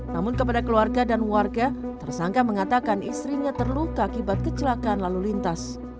namun kepada keluarga dan warga tersangka mengatakan istrinya terluka akibat kecelakaan lalu lintas